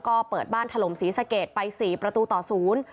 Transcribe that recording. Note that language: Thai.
ก็เปิดบ้านถล่มศรีสะเกดไปสี่ประตูต่อศูนย์